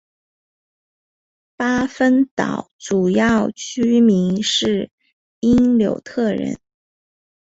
巴芬岛主要居民是因纽特人。